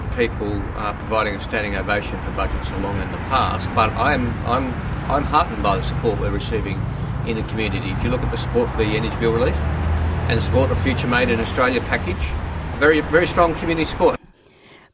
pemerintah albanisi membela langkah langkah bantuan biaya hidup meskipun anggaran